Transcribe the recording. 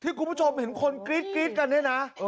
ที่คุณผู้ชมเห็นคนกรี๊ดกันนะคะ